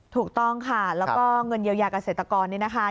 ถูกต้องค่ะแล้วก็เงินเยียวยาเกษตรกรนี่นะคะ